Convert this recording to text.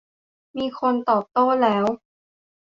มีคนโต้ตอบแล้ว